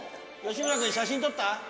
吉村君写真撮った？